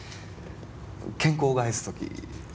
健康を害す時。